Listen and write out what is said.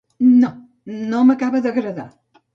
No, no m'acaba d'agradar.